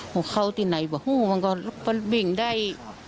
หัวเข้าที่ไหนบ่มันก็ประวิ่งได้